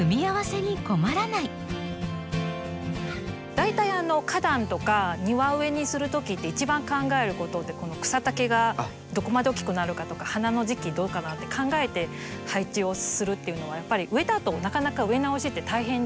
大体花壇とか庭植えにするときって一番考えることって草丈がどこまで大きくなるかとか花の時期どうかなって考えて配置をするっていうのがやっぱり植えたあとなかなか植え直しって大変ですもんね。